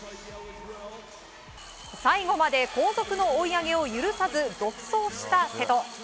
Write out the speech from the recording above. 最後まで後続の追い上げを許さず独走した瀬戸。